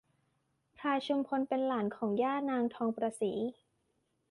พลายชุมพลเป็นหลานย่านางทองประศรี